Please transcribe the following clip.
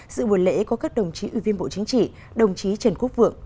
sự buổi lễ có các đồng chí ủy viên bộ chính trị đồng chí trần quốc vượng